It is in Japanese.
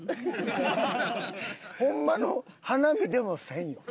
ホンマの花見でもせんよ。